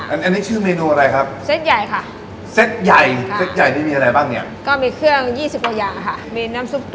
อันนี้ชื่อเมนูอะไรครับ